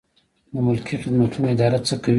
د ملکي خدمتونو اداره څه کوي؟